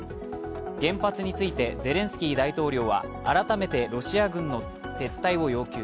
原発についてゼレンスキー大統領は改めてロシア軍の撤退を要求。